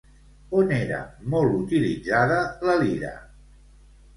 On era molt utilitzada la lira?